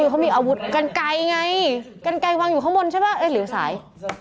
กำไกว้งอยู่ข้างบนใช่ป่ะหรือสาย